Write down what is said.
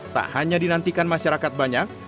tak hanya dinantikan masyarakat banyak